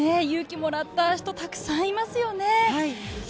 勇気をもらった人はたくさんいますよね。